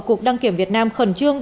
cục đăng kiểm việt nam khẩn trương